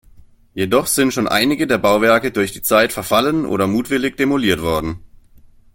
Jedoch sind schon einige der Bauwerke durch die Zeit verfallen oder mutwillig demoliert worden.